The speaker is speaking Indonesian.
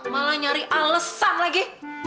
malah nyari alesan lagi